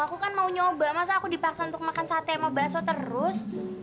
aku kan mau nyoba masa aku dipaksa untuk makan sate sama bakso terus